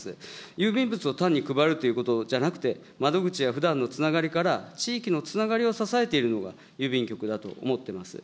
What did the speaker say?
郵便物を単に配るということじゃなくて、窓口やふだんのつながりから、地域のつながりを支えているのが郵便局だと思ってます。